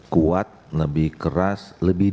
kuat lebih keras lebih